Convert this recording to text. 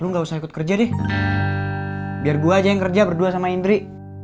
lu nggak usah ikut kerja deh biar gue aja yang kerja berdua sama indri